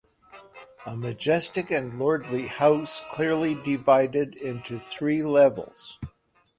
A majestic and lordly house clearly divided into three levels.